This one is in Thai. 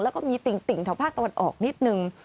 แล้วก็มีติ่งแถวภาคตะวันออกนิดนึง